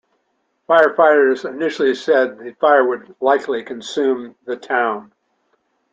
Firefighters initially said the fire would likely consume the town.